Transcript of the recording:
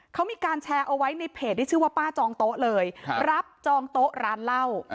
เขามีการแชร์เอาไว้ในเพจที่ชื่อว่าป้าจองโต๊ะเลยรับจองโต๊ะร้านเหล้า